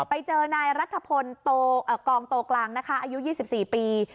ไปเจอนายรัฐพลกองโตกลางนะคะอายุ๒๔ปี